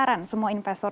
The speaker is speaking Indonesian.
terima kasih semua investor